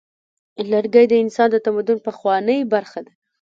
لرګی د انسان د تمدن پخوانۍ برخه ده.